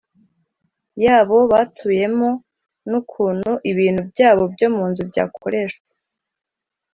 yabo batuyemo, n’ukuntu ibintu byabo byo munzu byakoreshwa.